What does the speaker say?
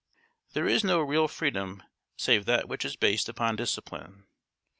There is no real freedom save that which is based upon discipline.